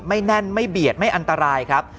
แน่นไม่เบียดไม่อันตรายครับ